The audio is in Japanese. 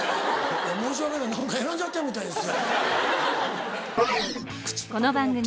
申し訳ない何か選んじゃったみたいです。